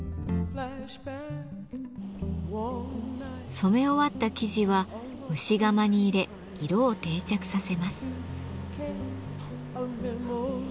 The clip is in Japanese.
染め終わった生地は蒸し釜に入れ色を定着させます。